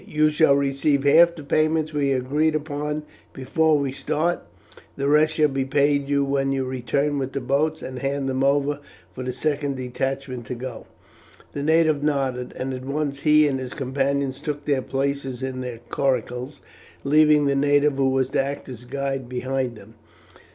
You shall receive half the payments we have agreed upon before we start, the rest shall be paid you when you return with the boats and hand them over for the second detachment to go." The native nodded, and at once he and his companions took their places in their coracles, leaving the native who was to act as guide behind them.